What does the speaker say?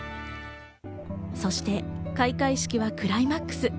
そして開会式はクライマックス。